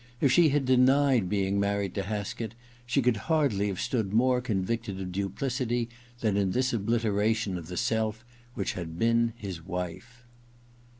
If she had denied being married to Haskett she could hardly have stood more convicted of ^ duplicity than in this obliteration of the self ^ which had been his wife.